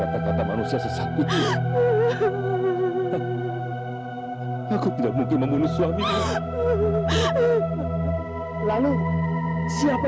assalamu'alaikum mas mala ada apa